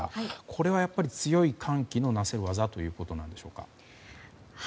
これは強い寒気のなせる業ということなんでしょうか。